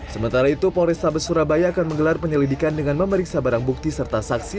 sementara itu polrestabes surabaya akan menggelar penyelidikan dengan memeriksa barang bukti serta saksi